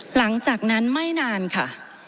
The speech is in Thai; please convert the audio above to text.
หลังจากนั้นไม่นานค่ะ